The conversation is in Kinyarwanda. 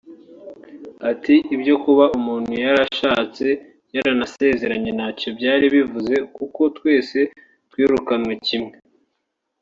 Ati “Ibyo kuba umuntu yari yarashatse yaranasezeranye ntacyo byari bivuze kuko twese twirukanywe kimwe